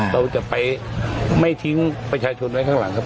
เราจะไปไม่ทิ้งประชาชนไว้ข้างหลังครับ